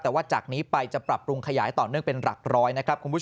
แต่ว่าจากนี้ไปจะปรับปรุงขยายต่อเนื่องเป็นหลักร้อยนะครับคุณผู้ชม